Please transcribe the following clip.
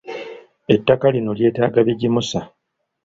Attaka lino lyetaaga bigimusa.